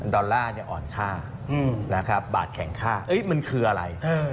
ดอลลาร์อ่อนค่าบาทแข็งค่ามันคืออะไร